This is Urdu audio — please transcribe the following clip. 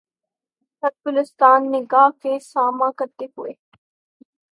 صد گلستاں نِگاه کا ساماں کئے ہوے